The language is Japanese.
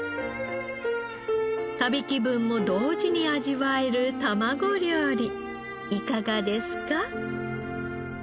旅気分も同時に味わえるたまご料理いかがですか？